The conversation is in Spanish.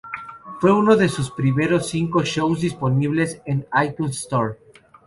Fue uno de sus primeros cinco shows disponibles en la iTunes Store.